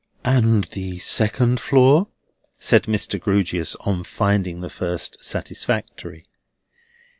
"And the second floor?" said Mr. Grewgious, on finding the first satisfactory.